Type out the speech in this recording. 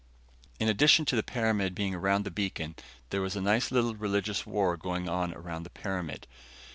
In addition to the pyramid being around the beacon, there was a nice little religious war going on around the pyramid.